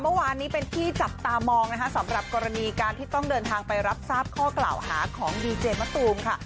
เมื่อวานนี้เป็นที่จับตามองนะคะสำหรับกรณีการที่ต้องเดินทางไปรับทราบข้อกล่าวหาของดีเจมะตูมค่ะ